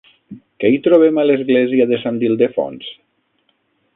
Què hi trobem a l'església de Sant Ildefons?